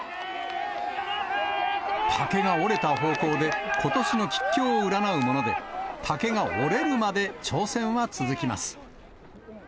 竹が折れた方向でことしの吉凶を占うもので、竹が折れるまで挑戦は続きます。